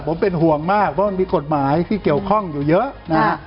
ผมเป็นห่วงมากเพราะมันมีกฎหมายที่เกี่ยวข้องอยู่เยอะนะฮะ